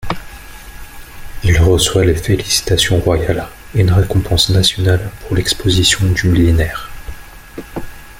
Il reçoit les félicitations royales et une récompense nationale pour l'exposition du Millénaire.